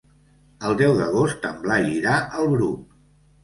El deu d'agost en Blai irà al Bruc.